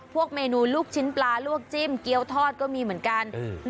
พวกเมนูลูกชิ้นปลาลวกจิ้มเกี้ยวทอดก็มีเหมือนกัน